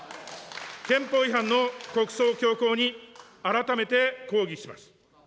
憲法違反の国葬強行に、改めて抗議します。